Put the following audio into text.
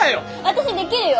私できるよ。